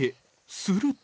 すると。